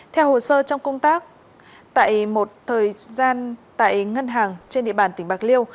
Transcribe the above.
theo hồ sơ trong công tác tại một thời gian tại ngân hàng trên địa bàn tỉnh bạc liêu